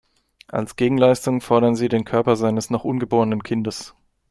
Als Gegenleistung fordern sie den Körper seines noch ungeborenen Kindes.